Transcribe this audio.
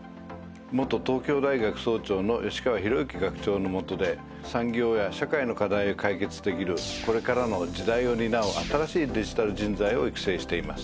元東京大学総長の吉川弘之学長のもとで産業や社会の課題を解決できるこれからの時代を担う新しいデジタル人材を育成しています。